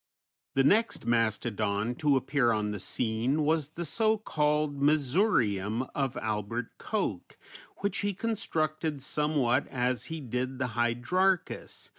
] The next mastodon to appear on the scene was the so called Missourium of Albert Koch, which he constructed somewhat as he did the Hydrarchus (see p.